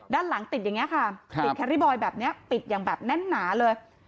ด้านหลังติดอย่างนี้ค่ะติดแครรี่บอยแบบนี้ปิดอย่างแบบแน่นหนาเลย